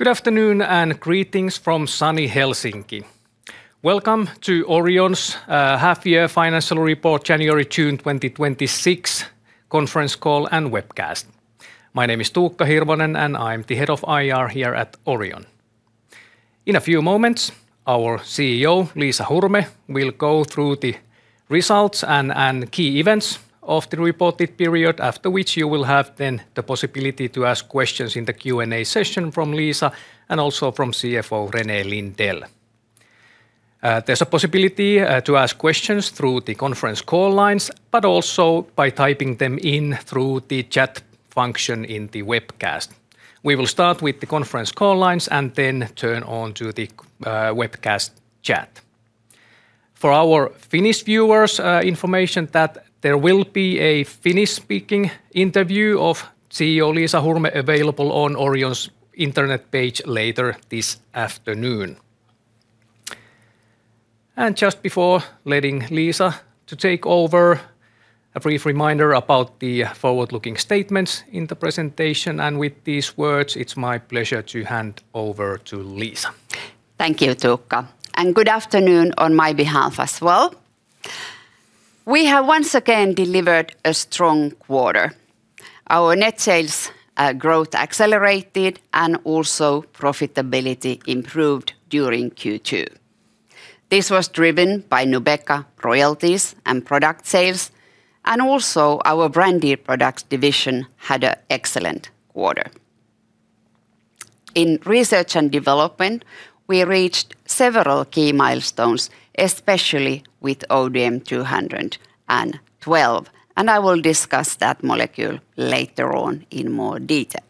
Good afternoon, and greetings from sunny Helsinki. Welcome to Orion's half year financial report January-June 2026 conference call and webcast. My name is Tuukka Hirvonen, and I am the Head of IR here at Orion. In a few moments, our CEO, Liisa Hurme, will go through the results and key events of the reported period, after which you will have then the possibility to ask questions in the Q&A session from Liisa and also from CFO René Lindell. There is a possibility to ask questions through the conference call lines, but also by typing them in through the chat function in the webcast. We will start with the conference call lines and then turn on to the webcast chat. For our Finnish viewers, information that there will be a Finnish speaking interview of CEO Liisa Hurme available on Orion's internet page later this afternoon. Just before letting Liisa to take over, a brief reminder about the forward looking statements in the presentation. With these words, it is my pleasure to hand over to Liisa. Thank you, Tuukka, and good afternoon on my behalf as well. We have once again delivered a strong quarter. Our net sales growth accelerated and also profitability improved during Q2. This was driven by Nubeqa royalties and product sales, and also our Branded Products division had an excellent quarter. In research and development, we reached several key milestones, especially with ODM-212, and I will discuss that molecule later on in more detail.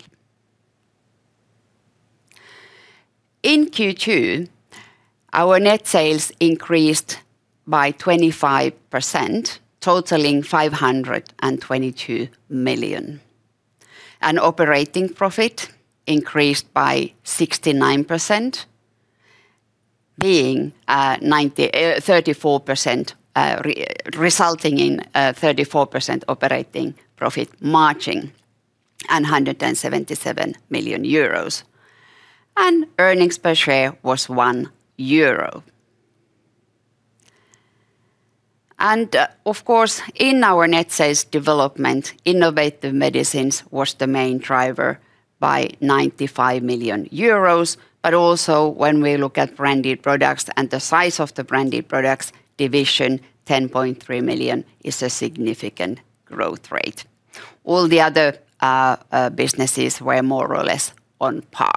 In Q2, our net sales increased by 25%, totaling 522 million, and operating profit increased by 69%, resulting in a 34% operating profit margin and 177 million euros. Earnings per share was 1 euro. Of course, in our net sales development, Innovative Medicines was the main driver by 95 million euros. Also when we look at Branded Products and the size of the Branded Products division, 10.3 million is a significant growth rate. All the other businesses were more or less on par.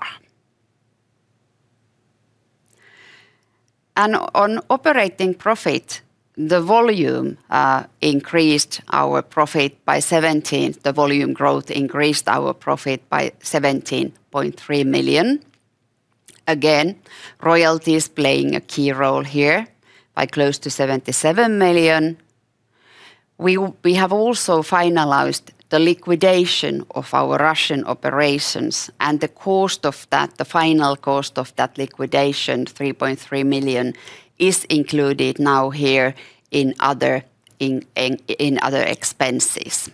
On operating profit, the volume growth increased our profit by 17.3 million. Again, royalties playing a key role here by close to 77 million. We have also finalized the liquidation of our Russian operations and the final cost of that liquidation, 3.3 million, is included now here in other expenses.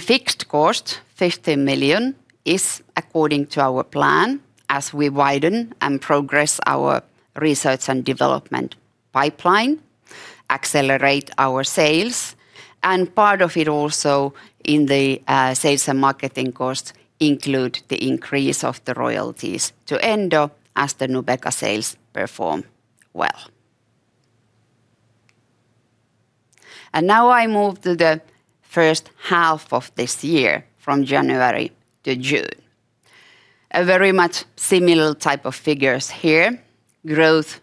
Fixed costs, 50 million, is according to our plan as we widen and progress our research and development pipeline, accelerate our sales, and part of it also in the sales and marketing cost include the increase of the royalties to Endo as the Nubeqa sales perform well. Now I move to the first half of this year from January to June. A very much similar type of figures here. Growth,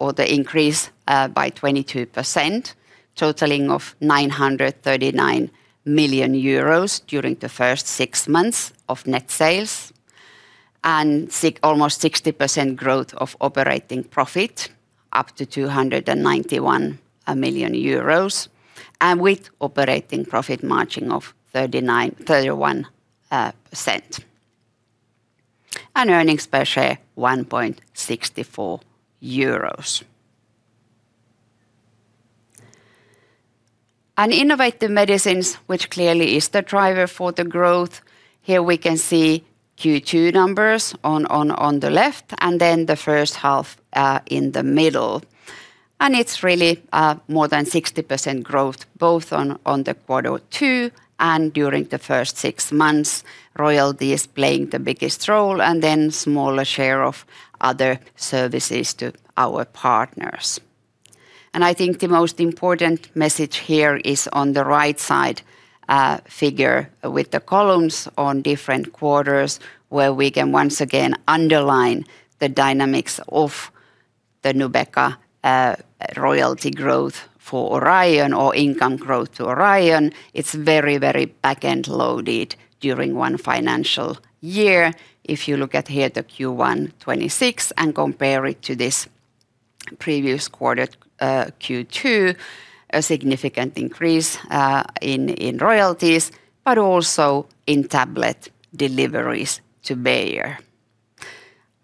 or the increase by 22%, totaling of 939 million euros during the first six months of net sales, and almost 60% growth of operating profit, up to 291 million euros. With operating profit margin of 31% and earnings per share 1.64 euros. Innovative Medicines, which clearly is the driver for the growth. Here we can see Q2 numbers on the left and then the first half in the middle. It is really more than 60% growth both on the Q2 and during the first six months. Royalty is playing the biggest role, and then smaller share of other services to our partners. I think the most important message here is on the right side figure with the columns on different quarters, where we can once again underline the dynamics of the Nubeqa royalty growth for Orion or income growth to Orion. It is very back end loaded during one financial year. If you look at here the Q1 2026 and compare it to this previous quarter, Q2, a significant increase in royalties, but also in tablet deliveries to Bayer.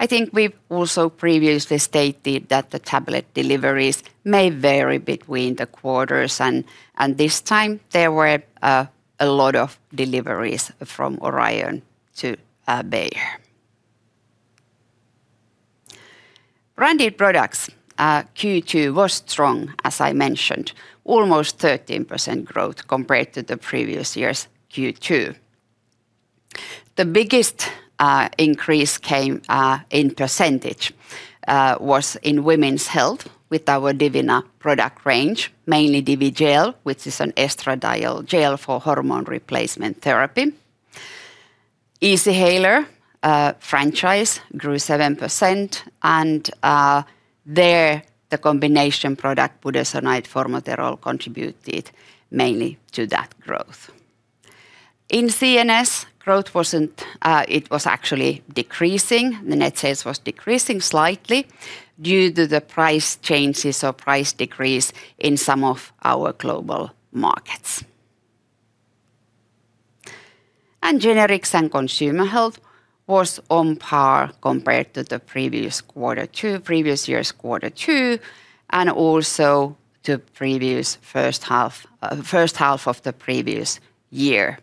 I think we have also previously stated that the tablet deliveries may vary between the quarters. This time, there were a lot of deliveries from Orion to Bayer. Branded Products. Q2 was strong, as I mentioned. Almost 13% growth compared to the previous year's Q2. The biggest increase in percentage was in women's health with our Divina product range, mainly Divigel, which is an estradiol gel for hormone replacement therapy. Easyhaler franchise grew 7%, and there the combination product budesonide formoterol contributed mainly to that growth. In CNS, it was actually decreasing. The net sales was decreasing slightly due to the price changes or price decrease in some of our global markets. Generics and Consumer Health was on par compared to the previous year's Q2, and also the first half of the previous year.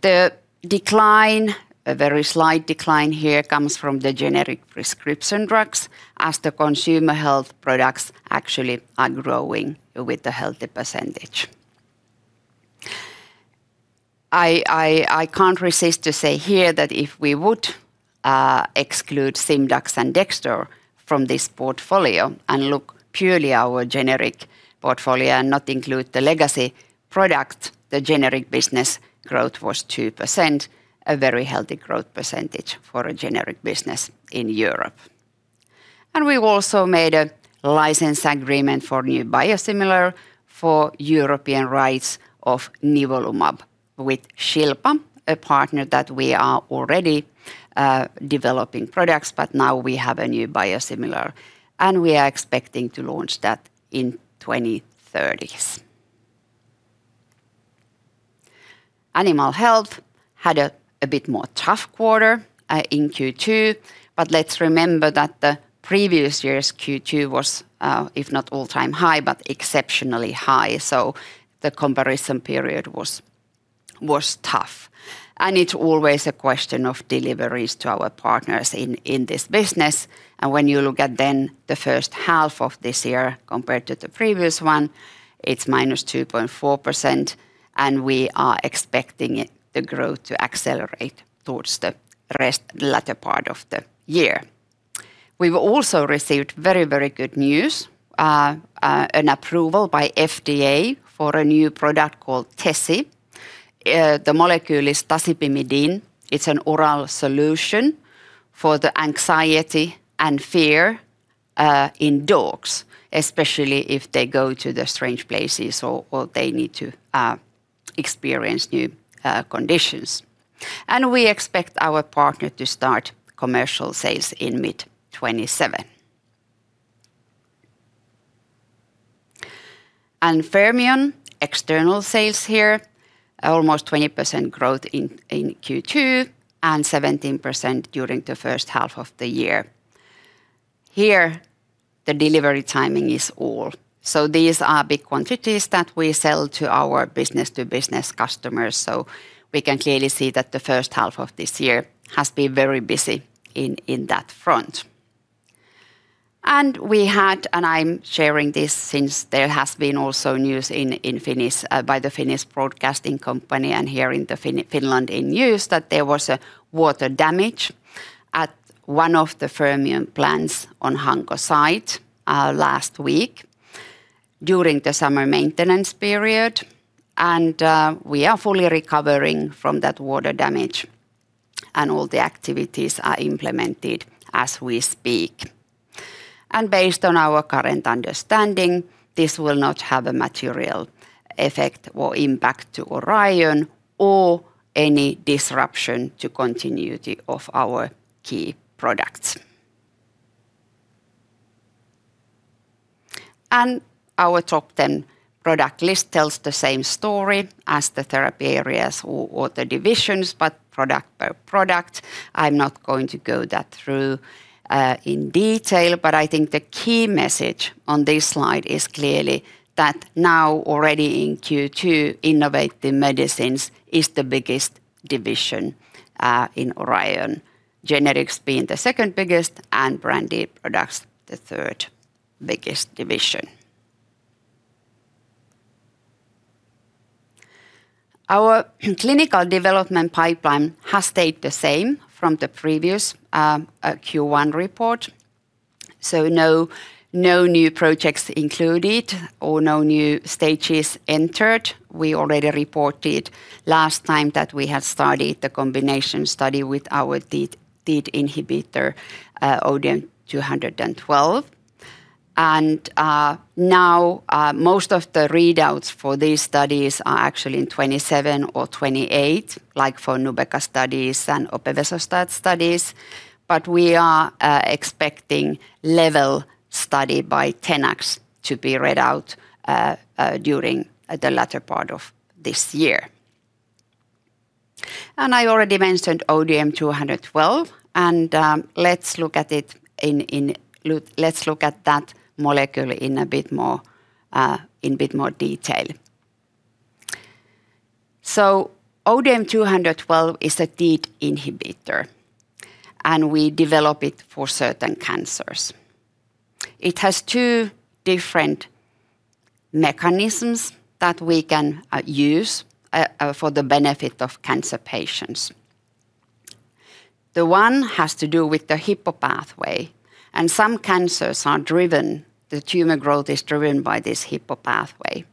The decline, a very slight decline here comes from the generic prescription drugs as the consumer health products actually are growing with a healthy percentage. I cannot resist to say here that if we would exclude Simdax and Dexdor from this portfolio and look purely at our generic portfolio and not include the legacy product, the generic business growth was 2%, a very healthy growth percentage for a generic business in Europe. We also made a license agreement for new biosimilar for European rights of nivolumab with Shilpa, a partner that we are already developing products with, but now we have a new biosimilar, and we are expecting to launch that in 2030s. Animal Health had a bit tougher quarter in Q2. Let us remember that the previous year's Q2 was, if not all-time high, but exceptionally high. The comparison period was tough. It is always a question of deliveries to our partners in this business. When you look at then the first half of this year compared to the previous one, it is -2.4%, and we are expecting the growth to accelerate towards the latter part of the year. We have also received very good news, an approval by FDA for a new product called Tessie. The molecule is tasipimidine. It is an oral solution for the anxiety and fear in dogs, especially if they go to strange places or they need to experience new conditions. We expect our partner to start commercial sales in mid 2027. Fermion external sales here, almost 20% growth in Q2 and 17% during the first half of the year. Here, the delivery timing is all. These are big quantities that we sell to our business-to-business customers. We can clearly see that the first half of this year has been very busy on that front. We had, and I'm sharing this since there has been also news by the Finnish Broadcasting Company and here in the Finland in News, that there was a water damage at one of the Fermion plants on Hanko site last week during the summer maintenance period. We are fully recovering from that water damage, and all the activities are implemented as we speak. Based on our current understanding, this will not have a material effect or impact to Orion or any disruption to continuity of our key products. Our top 10 product list tells the same story as the therapy areas or the divisions, but product by product. I'm not going to go through that in detail. I think the key message on this slide is clearly that now already in Q2, Innovative Medicines is the biggest division in Orion. Generics being the second biggest and Branded Products the third biggest division. Our clinical development pipeline has stayed the same from the previous Q1 report. No new projects included or no new stages entered. We already reported last time that we had started the combination study with our TEAD inhibitor, ODM-212. Now most of the readouts for these studies are actually in 2027 or 2028, like for Nubeqa studies and opevesostat studies. We are expecting LEVEL study by Tenax to be read out during the latter part of this year. I already mentioned ODM-212. Let's look at that molecule in a bit more detail. ODM-212 is a TEAD inhibitor, and we develop it for certain cancers. It has two different mechanisms that we can use for the benefit of cancer patients. One has to do with the Hippo pathway, and some cancers, the tumor growth is driven by this Hippo pathway.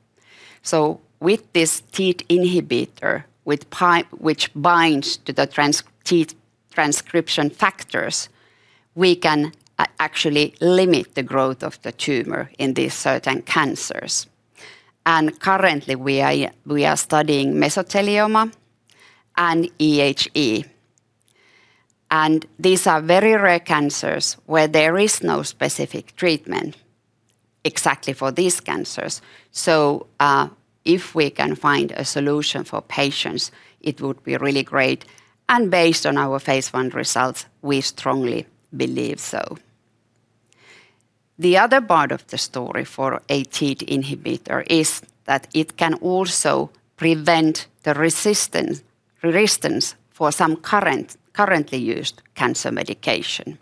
With this TEAD inhibitor, which binds to the TEAD transcription factors, we can actually limit the growth of the tumor in these certain cancers. Currently, we are studying mesothelioma and EHE. These are very rare cancers where there is no specific treatment exactly for these cancers. If we can find a solution for patients, it would be really great, and based on our phase I results, we strongly believe so. The other part of the story for a TEAD inhibitor is that it can also prevent the resistance for some currently used cancer medication,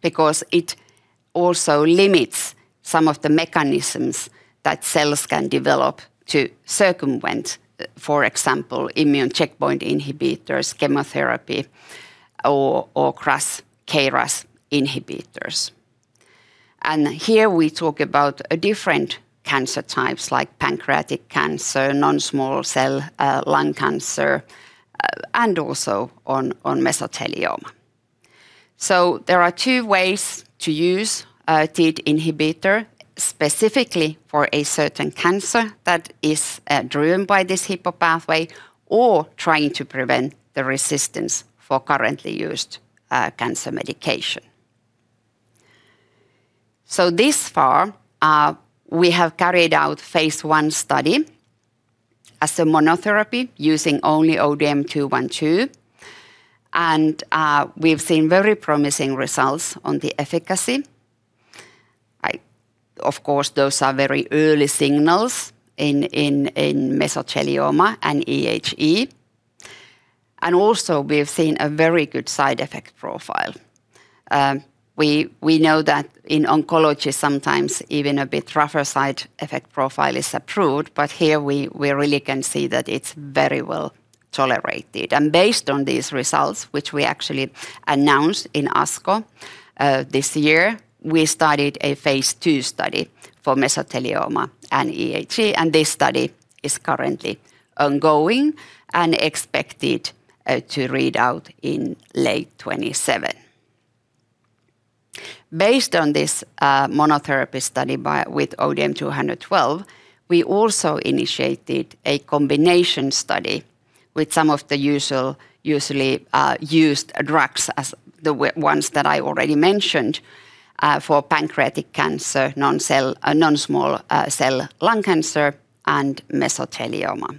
because it also limits some of the mechanisms that cells can develop to circumvent, for example, immune checkpoint inhibitors, chemotherapy, or KRAS inhibitors. Here we talk about different cancer types like pancreatic cancer, non-small cell lung cancer, and also on mesothelioma. There are two ways to use a TEAD inhibitor, specifically for a certain cancer that is driven by this Hippo pathway, or trying to prevent the resistance for currently used cancer medication. This far, we have carried out phase I study as a monotherapy using only ODM-212, and we've seen very promising results on the efficacy. Of course, those are very early signals in mesothelioma and EHE. Also we have seen a very good side effect profile. We know that in oncology, sometimes even a bit rougher side effect profile is approved, but here we really can see that it's very well tolerated. Based on these results, which we actually announced in ASCO this year, we started a phase II study for mesothelioma and EHE, and this study is currently ongoing and expected to read out in late 2027. Based on this monotherapy study with ODM-212, we also initiated a combination study with some of the usually used drugs as the ones that I already mentioned, for pancreatic cancer, non-small cell lung cancer, and mesothelioma.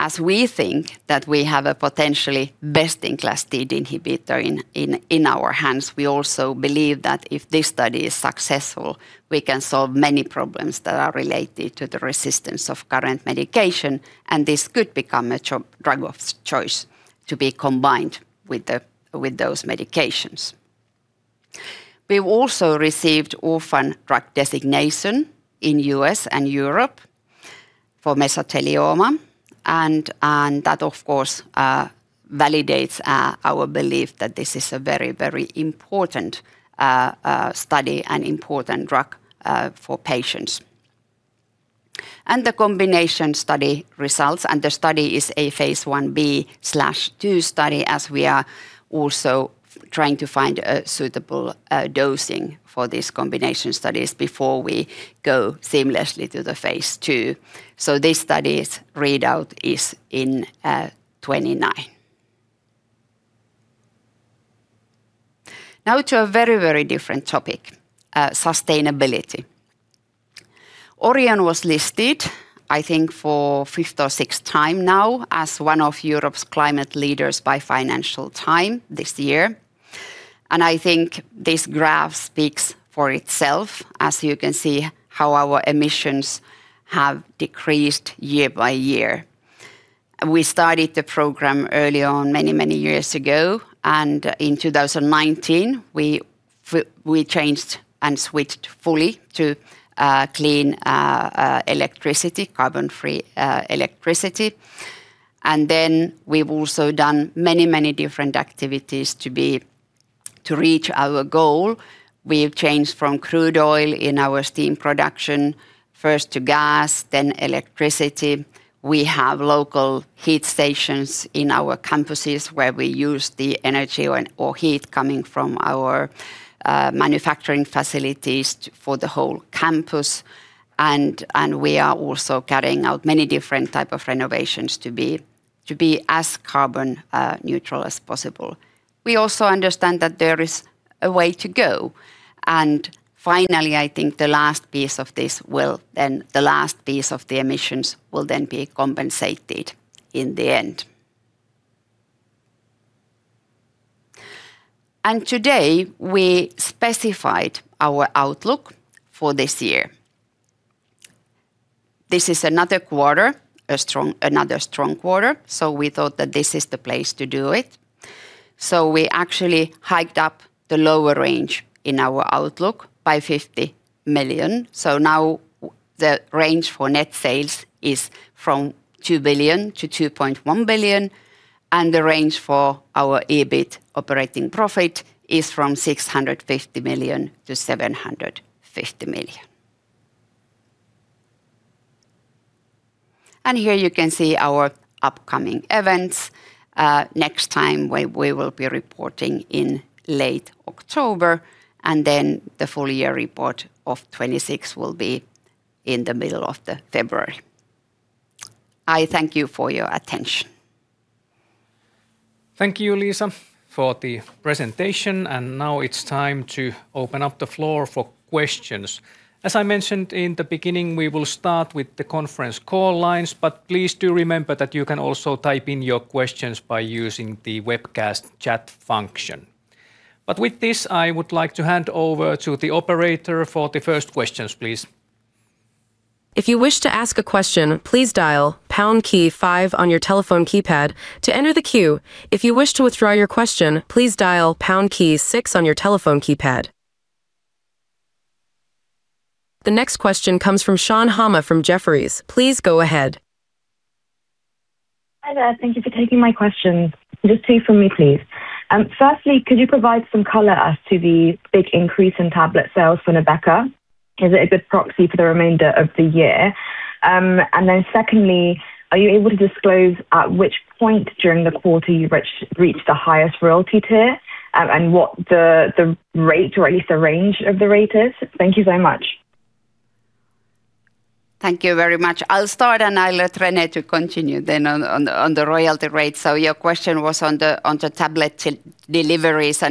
As we think that we have a potentially best-in-class TEAD inhibitor in our hands, we also believe that if this study is successful, we can solve many problems that are related to the resistance of current medication, and this could become a drug of choice to be combined with those medications. We've also received orphan drug designation in U.S. and Europe for mesothelioma, and that, of course, validates our belief that this is a very important study and important drug for patients. The combination study results, and the study is a phase I-B/II study, as we are also trying to find a suitable dosing for these combination studies before we go seamlessly to the phase II. This study's readout is in 2029. Now to a very different topic, sustainability. Orion was listed, I think for fifth or sixth time now, as one of Europe's climate leaders by Financial Times this year. I think this graph speaks for itself, as you can see how our emissions have decreased year by year. We started the program early on, many years ago, and in 2019, we changed and switched fully to clean electricity, carbon-free electricity. Then we've also done many different activities to reach our goal. We have changed from crude oil in our steam production, first to gas, then electricity. We have local heat stations in our campuses where we use the energy or heat coming from our manufacturing facilities for the whole campus. We are also carrying out many different type of renovations to be as carbon neutral as possible. We also understand that there is a way to go. Finally, I think the last piece of the emissions will then be compensated in the end. Today, we specified our outlook for this year. This is another strong quarter, we thought that this is the place to do it. We actually hiked up the lower range in our outlook by 50 million. Now the range for net sales is from 2 billion to 2.1 billion, and the range for our EBIT operating profit is from 650 million to 750 million. Here you can see our upcoming events. Next time, we will be reporting in late October, then the full year report of 2026 will be in the middle of February. I thank you for your attention. Thank you, Liisa, for the presentation. Now it's time to open up the floor for questions. As I mentioned in the beginning, we will start with the conference call lines, but please do remember that you can also type in your questions by using the webcast chat function. With this, I would like to hand over to the operator for the first questions, please. If you wish to ask a question, please dial pound key five on your telephone keypad to enter the queue. If you wish to withdraw your question, please dial pound key six on your telephone keypad. The next question comes from Shan Hama from Jefferies. Please go ahead. Hi there. Thank you for taking my questions. Just two from me, please. Firstly, could you provide some color as to the big increase in tablet sales for Nubeqa? Is it a good proxy for the remainder of the year? Secondly, are you able to disclose at which point during the quarter you've reached the highest royalty tier? What the rate, or at least the range of the rate is? Thank you so much. Thank you very much. I'll start, and I'll let René continue then on the royalty rate. Your question was on the tablet deliveries.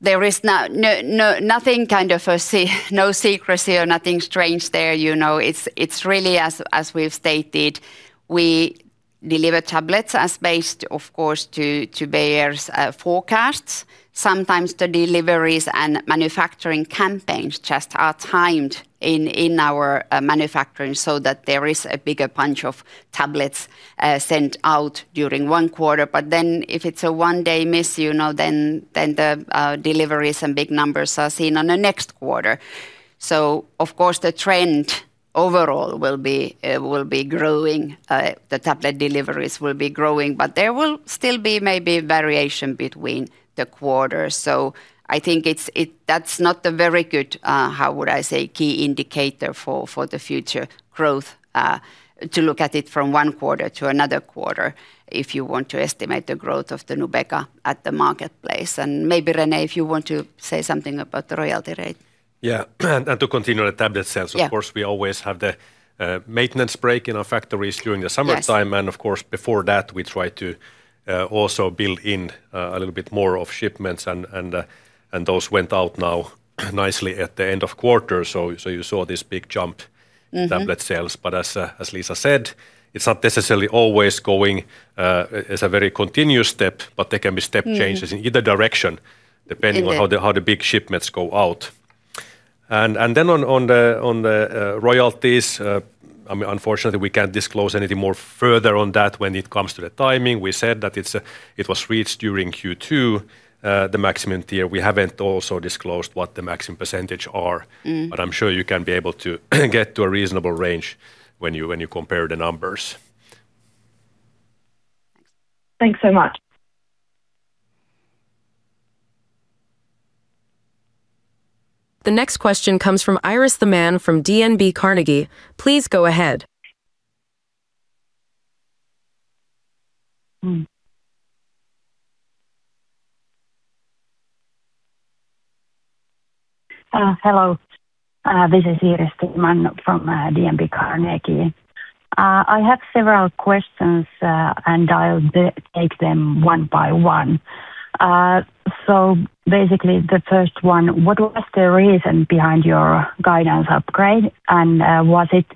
There is no secrecy or nothing strange there. It's really as we've stated, we deliver tablets as based, of course, to Bayer's forecasts. Sometimes the deliveries and manufacturing campaigns just are timed in our manufacturing so that there is a bigger bunch of tablets sent out during one quarter. If it's a one-day miss, the deliveries and big numbers are seen on the next quarter. Of course, the trend overall will be growing. The tablet deliveries will be growing, but there will still be maybe variation between the quarters. I think that's not the very good, how would I say, key indicator for the future growth to look at it from one quarter to another quarter if you want to estimate the growth of Nubeqa at the marketplace. Maybe, René, if you want to say something about the royalty rate. Yeah. To continue on the tablet sales. Yeah Of course, we always have the maintenance break in our factories during the summertime. Yes. Of course, before that, we try to also build in a little bit more of shipments, and those went out now nicely at the end of quarter. You saw this big jump. in tablet sales. As Liisa said, it's not necessarily always going as a very continuous step, but there can be step changes- in either direction, depending on- Either how the big shipments go out. Then on the royalties, unfortunately, we can't disclose anything more further on that when it comes to the timing. We said that it was reached during Q2, the maximum tier. We haven't also disclosed what the maximum percentage are- I'm sure you can be able to get to a reasonable range when you compare the numbers. Thanks so much. The next question comes from Iiris Theman from DNB Carnegie. Please go ahead. Hello. This is Iiris Theman from DNB Carnegie. I have several questions, and I'll take them one by one. Basically, the first one, what was the reason behind your guidance upgrade? Was it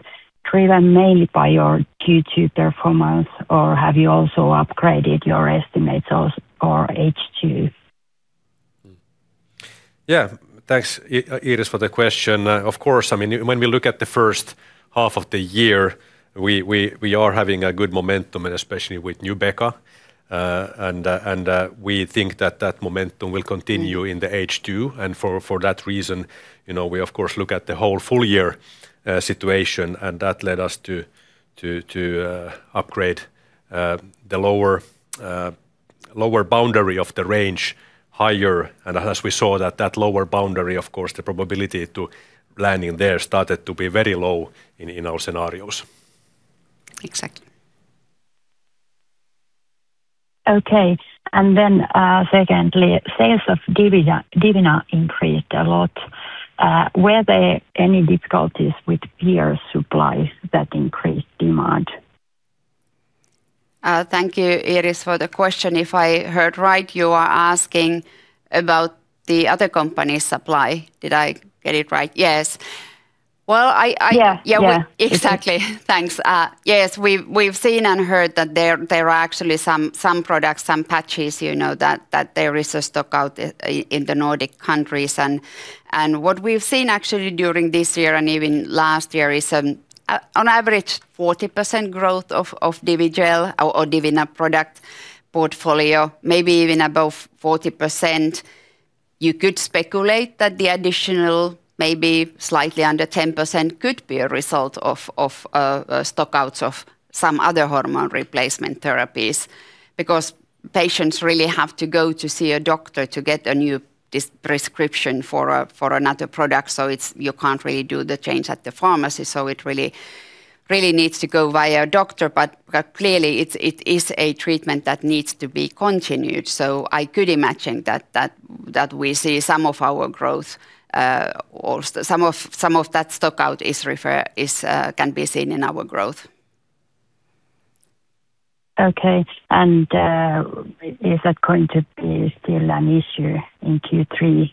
driven mainly by your Q2 performance, or have you also upgraded your estimates for H2? Yeah. Thanks, Iiris, for the question. Of course, when we look at the first half of the year, we are having a good momentum, and especially with Nubeqa. We think that that momentum will continue in the H2, and for that reason, we of course look at the whole full year situation, and that led us to upgrade the lower boundary of the range higher. As we saw that lower boundary, of course, the probability to landing there started to be very low in our scenarios. Exactly. Okay. Secondly, sales of Divina increased a lot. Were there any difficulties with peer supplies that increased demand? Thank you, Iiris, for the question. If I heard right, you are asking about the other company's supply. Did I get it right? Yes. Yeah. Exactly. Thanks. Yes. We've seen and heard that there are actually some products, some patches, that there is a stock out in the Nordic countries. What we've seen actually during this year and even last year is, on average, 40% growth of Divigel or Divina product portfolio, maybe even above 40%. You could speculate that the additional maybe slightly under 10% could be a result of stock outs of some other hormone replacement therapies, because patients really have to go to see a doctor to get a new prescription for another product. You can't really do the change at the pharmacy, it really needs to go via doctor. Clearly, it is a treatment that needs to be continued. I could imagine that we see some of that stock out can be seen in our growth. Okay. Is that going to be still an issue in Q3?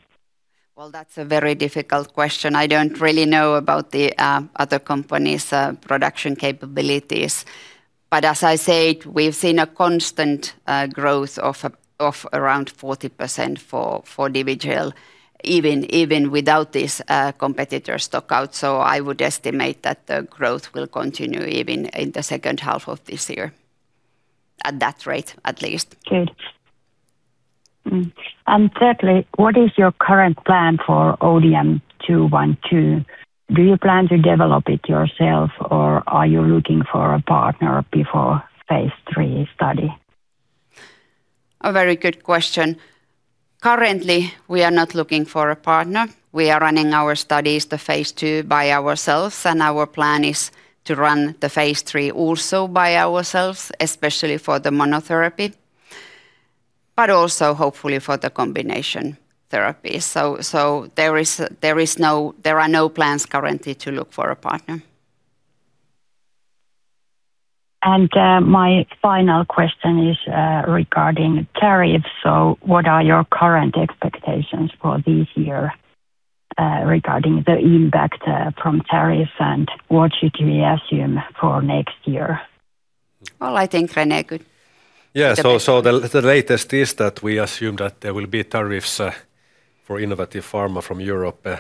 That's a very difficult question. I don't really know about the other company's production capabilities. As I said, we've seen a constant growth of around 40% for Divigel, even without this competitor stock out. I would estimate that the growth will continue even in the second half of this year, at that rate at least. Good. Thirdly, what is your current plan for ODM-212? Do you plan to develop it yourself, or are you looking for a partner before phase III study? A very good question. Currently, we are not looking for a partner. We are running our studies, the phase II, by ourselves, and our plan is to run the phase III also by ourselves, especially for the monotherapy, also hopefully for the combination therapy. There are no plans currently to look for a partner. My final question is regarding tariffs. What are your current expectations for this year regarding the impact from tariffs, and what should we assume for next year? Well, I think René could- Yes. The latest is that we assume that there will be tariffs for innovative pharma from Europe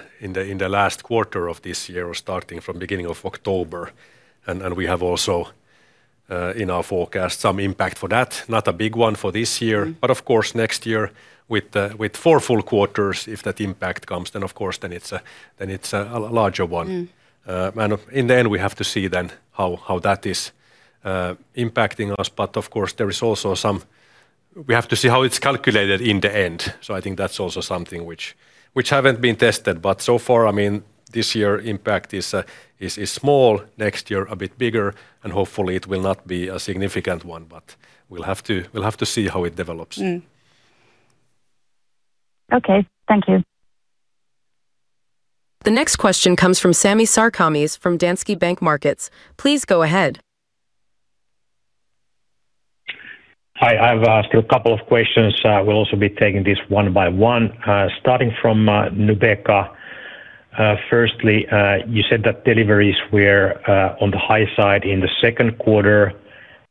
in the last quarter of this year, or starting from beginning of October. We have also in our forecast some impact for that, not a big one for this year, but of course next year with four full quarters, if that impact comes, then of course, then it's a larger one. In the end, we have to see then how that is impacting us. Of course, we have to see how it's calculated in the end. I think that's also something which haven't been tested, but so far, this year impact is small, next year a bit bigger, and hopefully it will not be a significant one, but we'll have to see how it develops. Okay. Thank you. The next question comes from Sami Sarkamies from Danske Bank Markets. Please go ahead. Hi. I have still a couple of questions. Will also be taking this one by one, starting from Nubeqa. Firstly, you said that deliveries were on the high side in the second quarter.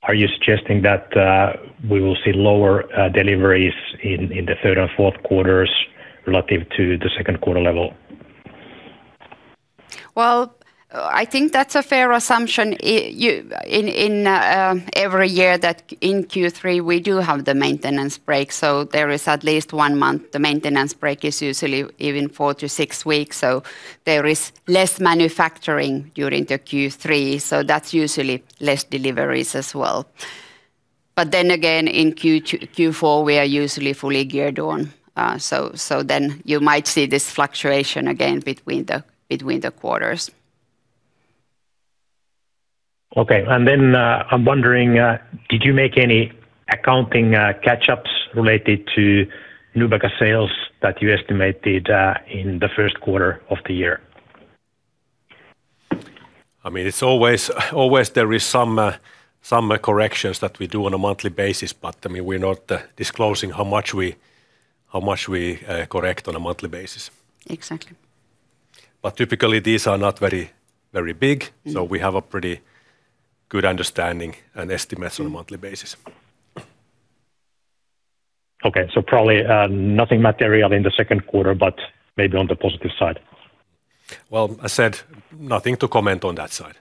Are you suggesting that we will see lower deliveries in the third and fourth quarters relative to the second quarter level? I think that's a fair assumption. In every year that in Q3, we do have the maintenance break, so there is at least one month. The maintenance break is usually even four to six weeks, so there is less manufacturing during the Q3, so that's usually less deliveries as well. Again, in Q4, we are usually fully geared on. You might see this fluctuation again between the quarters. Okay. I'm wondering, did you make any accounting catch-ups related to Nubeqa sales that you estimated in the first quarter of the year? Always there is some corrections that we do on a monthly basis, but we're not disclosing how much we correct on a monthly basis. Exactly. Typically these are not very big, so we have a pretty good understanding and estimates on a monthly basis. Okay. Probably nothing material in the second quarter, but maybe on the positive side. Well, I said nothing to comment on that side.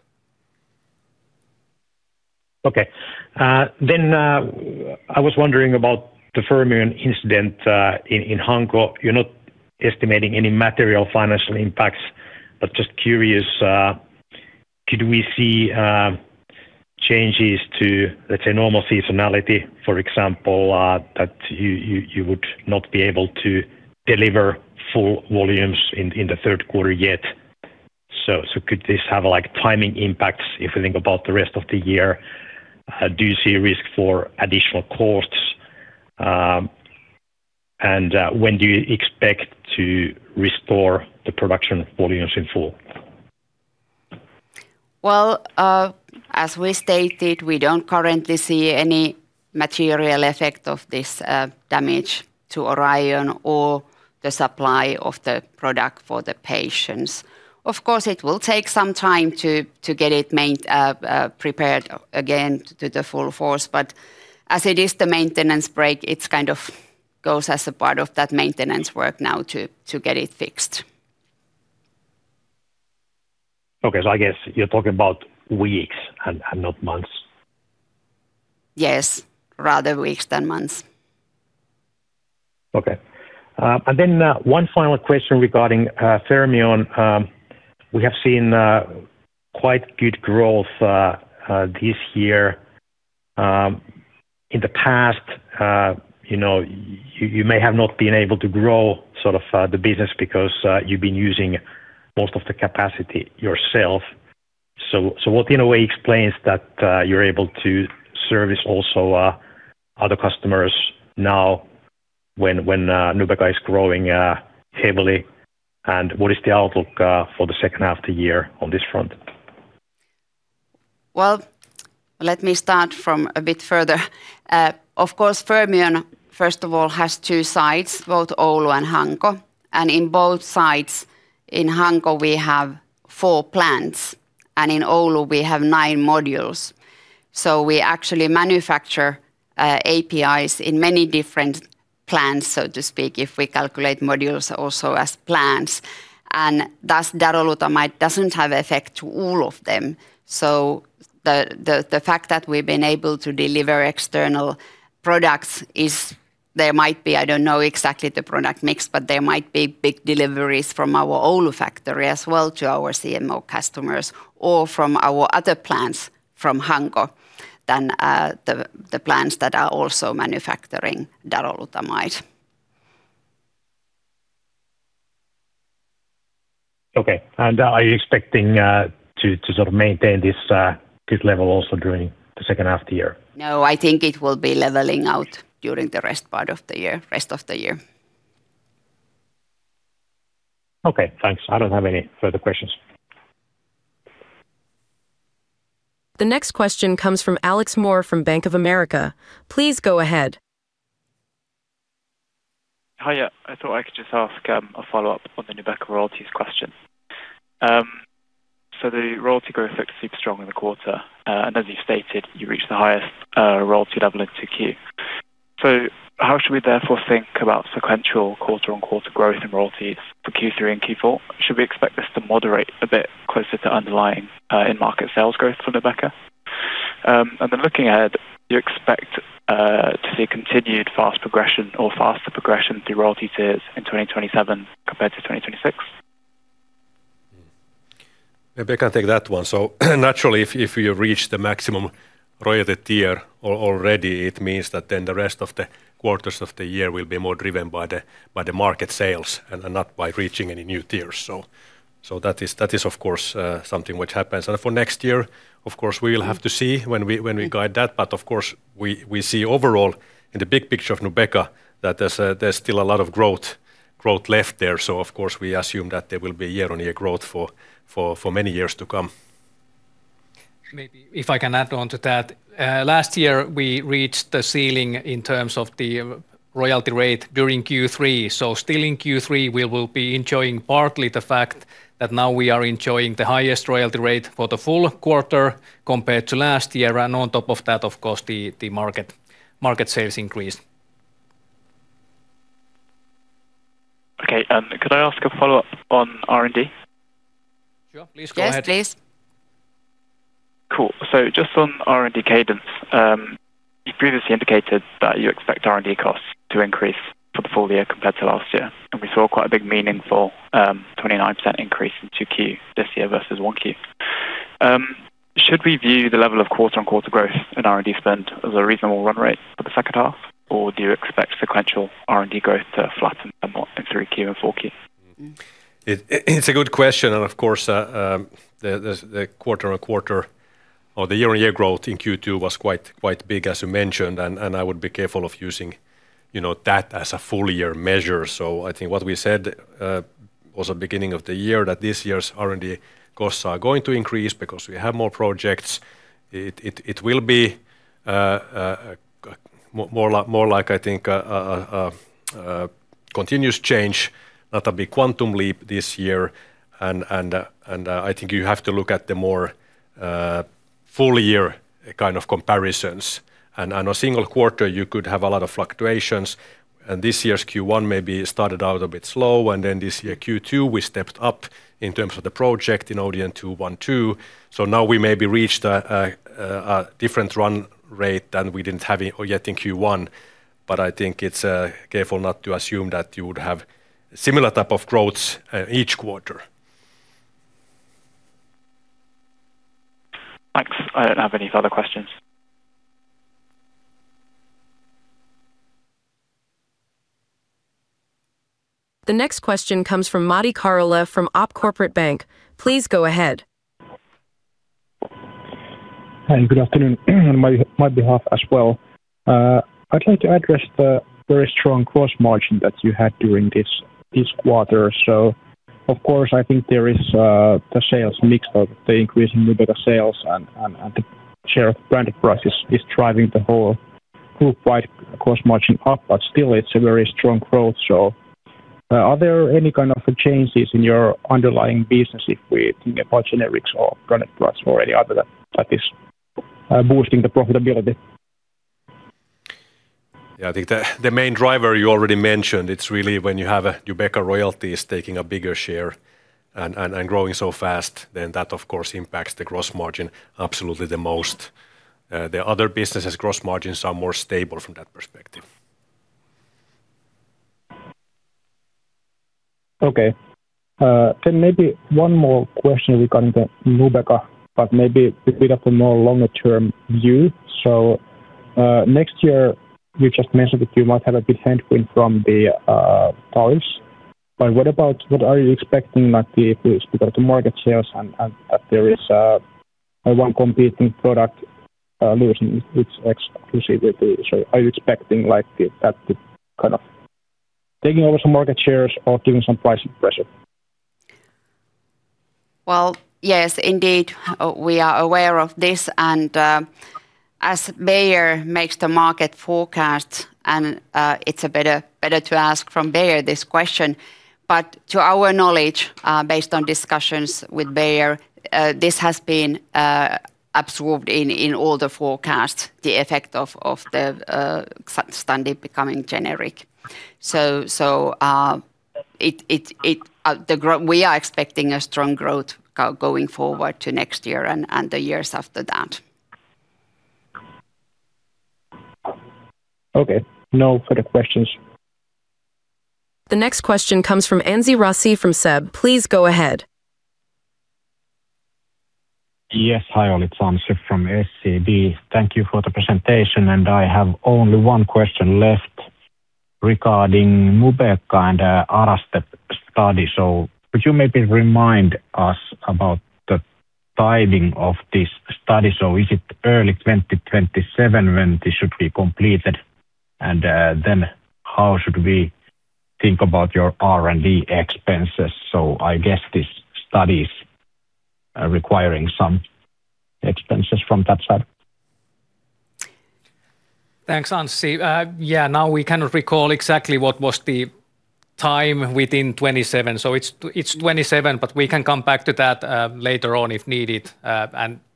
Okay. I was wondering about the Fermion incident, in Hanko. You are not estimating any material financial impacts, but just curious, could we see changes to, let's say, normal seasonality, for example that you would not be able to deliver full volumes in the third quarter yet? Could this have timing impacts if we think about the rest of the year? Do you see a risk for additional costs? When do you expect to restore the production volumes in full? Well, as we stated, we don't currently see any material effect of this damage to Orion or the supply of the product for the patients. Of course, it will take some time to get it prepared again to the full force, but as it is the maintenance break, it kind of goes as a part of that maintenance work now to get it fixed. Okay. I guess you're talking about weeks and not months. Yes, rather weeks than months. Okay. One final question regarding Fermion. We have seen quite good growth this year. In the past, you may have not been able to grow the business because you've been using most of the capacity yourself. What, in a way, explains that you're able to service also other customers now when Nubeqa is growing heavily? What is the outlook for the second half of the year on this front? Well, let me start from a bit further. Of course, Fermion, first of all, has two sites, both Oulu and Hanko. In both sites, in Hanko we have four plants, and in Oulu we have nine modules. We actually manufacture APIs in many different plants, so to speak, if we calculate modules also as plants. Thus, darolutamide doesn't have effect to all of them. The fact that we've been able to deliver external products is there might be, I don't know exactly the product mix, but there might be big deliveries from our Oulu factory as well to our CMO customers, or from our other plants from Hanko than the plants that are also manufacturing darolutamide. Okay. Are you expecting to maintain this level also during the second half of the year? No, I think it will be leveling out during the rest of the year. Okay, thanks. I don't have any further questions. The next question comes from Alex Moore from Bank of America. Please go ahead. Hi. I thought I could just ask a follow-up on the Nubeqa royalties question. The royalty growth was super strong in the quarter. As you stated, you reached the highest royalty level in 2Q. How should we therefore think about sequential quarter-on-quarter growth in royalties for Q3 and Q4? Should we expect this to moderate a bit closer to underlying end market sales growth for Nubeqa? Then looking ahead, do you expect to see continued fast progression or faster progression through royalty tiers in 2027 compared to 2026? Maybe I can take that one. Naturally, if you reach the maximum royalty tier already, it means that then the rest of the quarters of the year will be more driven by the market sales and not by reaching any new tiers. That is of course something which happens. For next year, of course, we will have to see when we guide that. But of course, we see overall in the big picture of Nubeqa that there's still a lot of growth left there. Of course, we assume that there will be year-on-year growth for many years to come. Maybe if I can add on to that. Last year, we reached the ceiling in terms of the royalty rate during Q3. Still in Q3, we will be enjoying partly the fact that now we are enjoying the highest royalty rate for the full quarter compared to last year. On top of that, of course, the market sales increased. Okay. Could I ask a follow-up on R&D? Sure, please go ahead. Yes, please. Cool. Just on R&D cadence. You previously indicated that you expect R&D costs to increase for the full year compared to last year, and we saw quite a big meaningful 29% increase in 2Q this year versus 1Q. Should we view the level of quarter-on-quarter growth in R&D spend as a reasonable run rate for the second half, or do you expect sequential R&D growth to flatten a lot in 3Q and 4Q? It's a good question. Of course, the quarter-on-quarter or the year-on-year growth in Q2 was quite big, as you mentioned, and I would be careful of using that as a full year measure. I think what we said was at the beginning of the year that this year's R&D costs are going to increase because we have more projects. It will be more like, I think a continuous change, not a big quantum leap this year. I think you have to look at the more full year kind of comparisons. On a single quarter, you could have a lot of fluctuations. This year's Q1 maybe started out a bit slow. This year Q2, we stepped up in terms of the project in ODM-212. Now we maybe reached a different run rate than we didn't have yet in Q1. I think it's careful not to assume that you would have similar type of growths each quarter. Thanks. I don't have any further questions. The next question comes from Matti Kaurola from OP Corporate Bank. Please go ahead. Hi, good afternoon on my behalf as well. I'd like to address the very strong gross margin that you had during this quarter. Of course, I think there is the sales mix of the increase in Nubeqa sales and the share of Branded Products is driving the whole group wide gross margin up, still it's a very strong growth. Are there any kind of changes in your underlying business if we think about Generics and Consumer Health or Branded Products or any other that is boosting the profitability? Yeah, I think the main driver you already mentioned, it's really when you have Nubeqa royalties taking a bigger share and growing so fast, that, of course, impacts the gross margin absolutely the most. The other businesses' gross margins are more stable from that perspective. Okay. Maybe one more question regarding the Nubeqa, maybe a bit of a more longer term view. Next year, you just mentioned that you might have a bit headwind from the tariffs. What are you expecting if we go to market shares and that there is one competing product losing its exclusivity. Are you expecting that taking over some market shares or giving some price pressure? Well, yes, indeed, we are aware of this, as Bayer makes the market forecast, and it is better to ask from Bayer this question. To our knowledge, based on discussions with Bayer, this has been absorbed in all the forecasts, the effect of the Xgeva study becoming generic. We are expecting a strong growth going forward to next year and the years after that. Okay. No further questions. The next question comes from Anssi Raussi from SEB. Please go ahead. Yes, hi all, it is Anssi from SEB. Thank you for the presentation, I have only one question left regarding Nubeqa and ARASENS study. Could you maybe remind us about the timing of this study? Is it early 2027 when this should be completed? How should we think about your R&D expenses? I guess this study is requiring some expenses from that side. Thanks, Anssi. Now we cannot recall exactly what was the time within 2027. It's 2027, but we can come back to that later on if needed.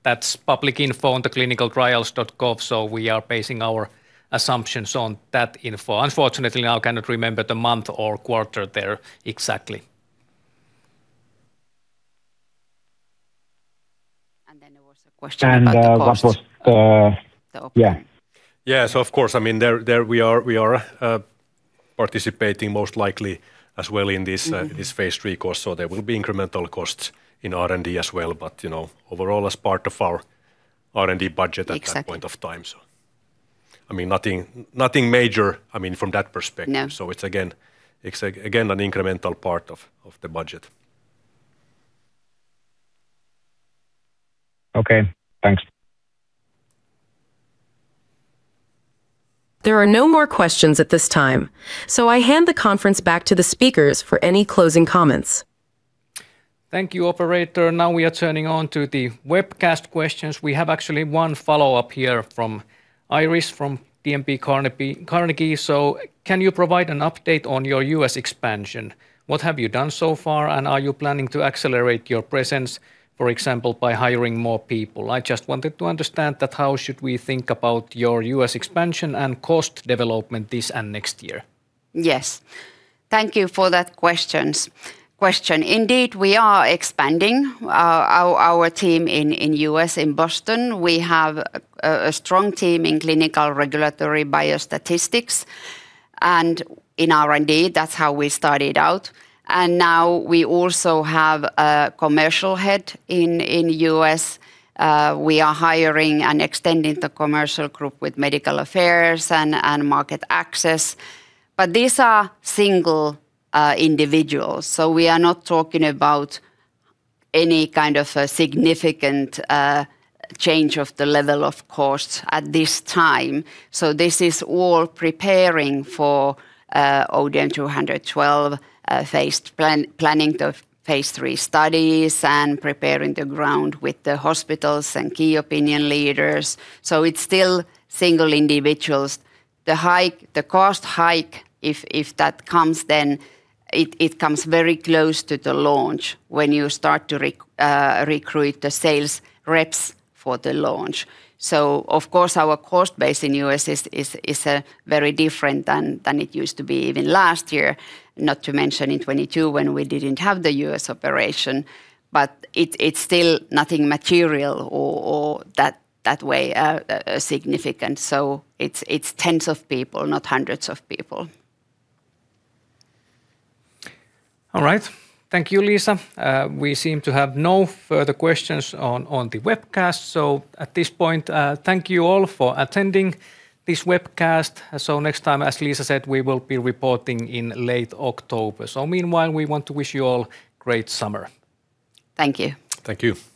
That's public info on the clinicaltrials.gov, we are basing our assumptions on that info. Unfortunately, I cannot remember the month or quarter there exactly. There was a question about the cost. Of course, there we are participating most likely as well in this phase III course. There will be incremental costs in R&D as well. Overall, as part of our R&D budget at that point of time. Exactly. Nothing major from that perspective. No. It is again an incremental part of the budget. Okay, thanks. There are no more questions at this time, so I hand the conference back to the speakers for any closing comments. Thank you, operator. Now we are turning on to the webcast questions. We have actually one follow-up here from Iiris, from DNB Carnegie. Can you provide an update on your U.S. expansion? What have you done so far, and are you planning to accelerate your presence, for example, by hiring more people? I just wanted to understand that how should we think about your U.S. expansion and cost development this and next year? Yes. Thank you for that question. Indeed, we are expanding our team in U.S., in Boston. We have a strong team in clinical regulatory biostatistics and in R&D. That's how we started out. Now we also have a commercial head in U.S. We are hiring and extending the commercial group with medical affairs and market access. These are single individuals, so we are not talking about any kind of significant change of the level of cost at this time. This is all preparing for ODM-212, planning the phase III studies, and preparing the ground with the hospitals and key opinion leaders. It is still single individuals. The cost hike, if that comes, then it comes very close to the launch, when you start to recruit the sales reps for the launch. Of course, our cost base in U.S. is very different than it used to be even last year, not to mention in 2022 when we didn't have the U.S. operation, but it is still nothing material or that way significant. It is tens of people, not hundreds of people. All right. Thank you, Liisa. We seem to have no further questions on the webcast. At this point, thank you all for attending this webcast. Next time, as Liisa said, we will be reporting in late October. Meanwhile, we want to wish you all great summer. Thank you. Thank you.